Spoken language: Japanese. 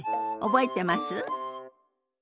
覚えてます？